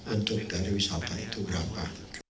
untuk dari wisata itu berapa